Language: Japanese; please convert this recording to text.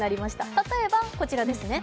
例えば、こちらですね。